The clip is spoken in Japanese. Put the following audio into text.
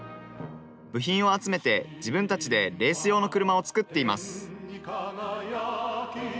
部品を集めて、自分たちでレース用の車を作っています。